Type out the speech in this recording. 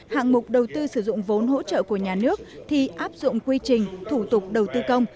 hạng mục đầu tư sử dụng vốn hỗ trợ của nhà nước thì áp dụng quy trình thủ tục đầu tư công